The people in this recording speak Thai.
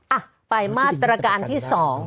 อ่ะไปมาตรการที่๒